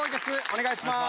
お願いします。